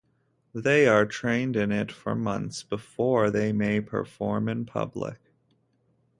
They are trained in it for months before they may perform in public.